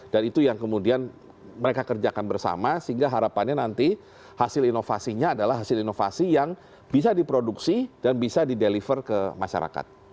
dan itu yang kemudian mereka kerjakan bersama sehingga harapannya nanti hasil inovasinya adalah hasil inovasi yang bisa diproduksi dan bisa dideliver ke masyarakat